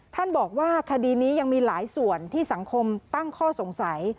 ท่านบอกว่าคดีนี้ยังมีหลายส่วนที่สังคมตั้งข้อสงสัย